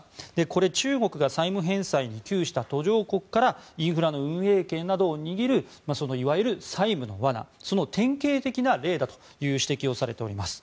これ、中国が債務返済に給与した途上国からインフラの運営権などを握るいわゆる債務の罠その典型的な例だという指摘をされています。